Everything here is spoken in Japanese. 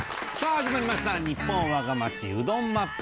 はじまりました「ニッポンわが町うどんＭＡＰ」。